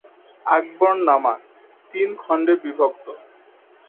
আকবরনামা তিন খন্ডে বিভক্ত।